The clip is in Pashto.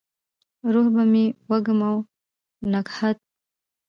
روح به مې وږم او نګهت،